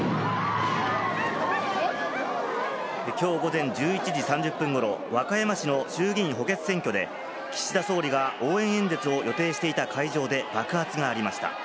今日午前１１時３０分頃、和歌山市の衆議院補欠選挙で、岸田総理が応援演説を予定していた会場で爆発がありました。